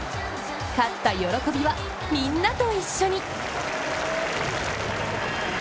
勝った喜びはみんなと一緒に。